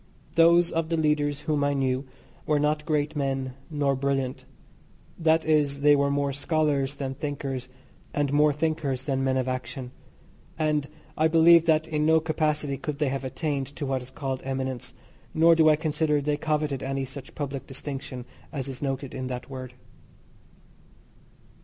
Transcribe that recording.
Those of the leaders whom I knew were not great men, nor brilliant that is they were more scholars than thinkers, and more thinkers than men of action; and I believe that in no capacity could they have attained to what is called eminence, nor do I consider they coveted any such public distinction as is noted in that word.